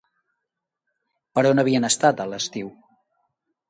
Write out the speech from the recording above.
Per on havien estat a l'estiu?